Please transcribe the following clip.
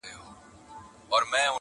ده هم آس كړ پسي خوشي په ځغستا سو!!